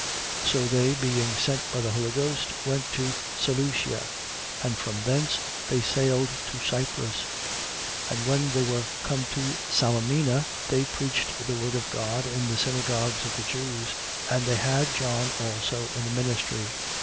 13:4. So they, being sent by the Holy Ghost, went to Seleucia: and from thence they sailed to Cyprus. 13:5. And when they were come to Salamina, they preached the word of God in the synagogues of the Jews. And they had John also in the ministry.